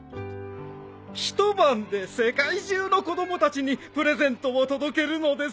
一晩で世界中の子供たちにプレゼントを届けるのですよ。